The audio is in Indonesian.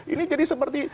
ini jadi seperti begitu